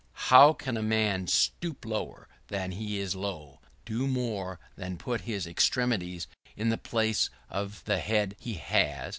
How can a man stoop lower than he is low? do more than put his extremities in the place of the head he has?